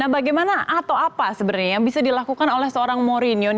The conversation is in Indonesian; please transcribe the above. bagaimana atau apa sebenarnya yang bisa dilakukan oleh seorang mourinho